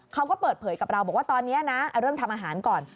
เขาก็เปิดเผยกับเราบอกว่าตอนนี้นะเอาเรื่องทำอาหารก่อน